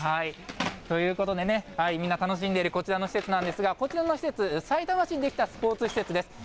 ということでね、みんな楽しんでいるこちらの施設なんですが、こちらの施設、さいたま市に出来たスポーツ施設です。